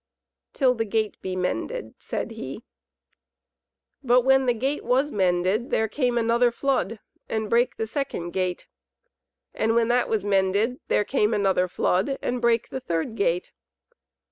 "Till the gate be mended," said he. But when the gate was mended there came another flood and brake the second gate. And when that was mended there came another flood and brake the third gate.